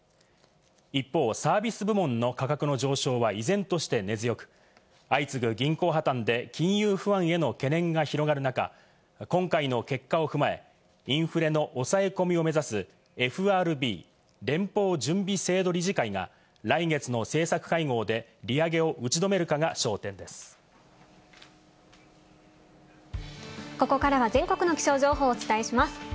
一方、サービス部門の価格の上昇は依然として根強く、相次ぐ銀行破綻で金融不安への懸念が広がる中、今回の結果を踏まえ、インフレの押さえ込みを目指すＦＲＢ＝連邦準備制度理事会が来月の政策会合で利上げをここからは全国の気象情報をお伝えします。